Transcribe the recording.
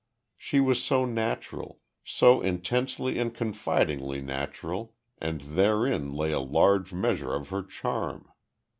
She was so natural, so intensely and confidingly natural and therein lay a large measure of her charm.